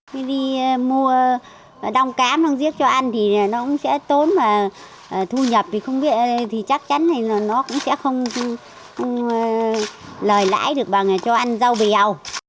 khi đi mua đông cám đông riếc cho ăn thì nó cũng sẽ tốn và thu nhập thì chắc chắn là nó cũng sẽ không lời lãi được bằng cho ăn rau bèo